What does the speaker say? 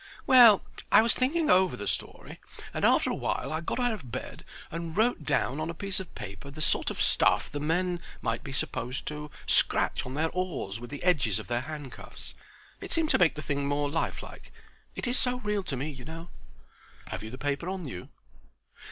"Well, I was thinking over the story, and after awhile I got out of bed and wrote down on a piece of paper the sort of stuff the men might be supposed to scratch on their oars with the edges of their handcuffs. It seemed to make the thing more lifelike. It is so real to me, y'know." "Have you the paper on you?"